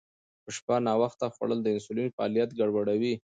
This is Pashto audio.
په شپه ناوخته خوړل د انسولین فعالیت ګډوډوي.